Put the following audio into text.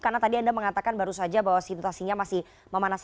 karena tadi anda mengatakan baru saja bahwa situasinya masih memanas